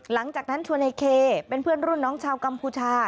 หลังจากนั้นชวนในเคเป็นเพื่อนรุ่นน้องชาวกัมพูชา